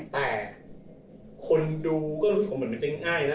แต่คนดูก็รู้สึกเหมือนมันเป็นเรียบง่ายนะ